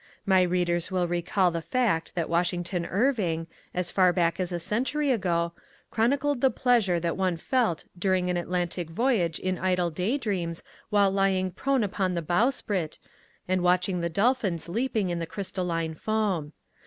My readers will recall the fact that Washington Irving, as far back as a century ago, chronicled the pleasure that one felt during an Atlantic voyage in idle day dreams while lying prone upon the bowsprit and watching the dolphins leaping in the crystalline foam.